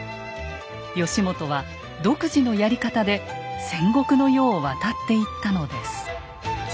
義元は独自のやり方で戦国の世を渡っていったのです。